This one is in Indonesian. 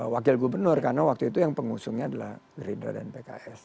wakil gubernur karena waktu itu yang pengusungnya adalah gerindra dan pks